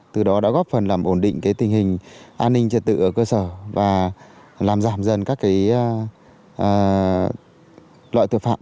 từ đó đã góp phần làm ổn định tình hình an ninh trật tự ở cơ sở và làm giảm dần các loại tội phạm